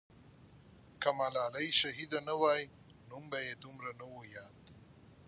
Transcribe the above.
که ملالۍ شهیده نه وای، نوم به یې دومره نه وو یاد.